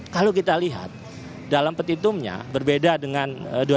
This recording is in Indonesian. kalau kita lihat dalam petitumnya berbeda dengan dua ribu sembilan belas